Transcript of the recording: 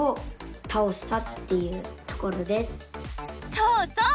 そうそう！